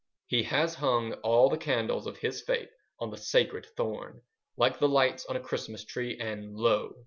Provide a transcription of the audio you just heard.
He has hung all the candles of his faith on the sacred thorn, like the lights on a Christmas tree, and lo!